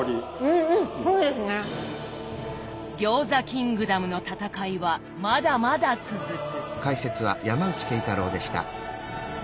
餃子キングダムの戦いはまだまだ続く。